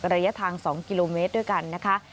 ระยะทาง๒กิโลเมตรด้วยกันนะคะ